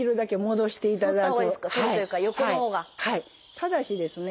ただしですね